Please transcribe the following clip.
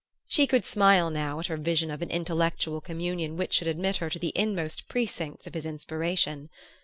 She could smile now at her vision of an intellectual communion which should admit her to the inmost precincts of his inspiration.